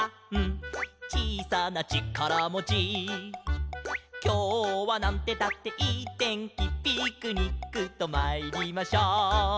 「ちいさなちからもち」「きょうはなんてったっていいてんき」「ピクニックとまいりましょう」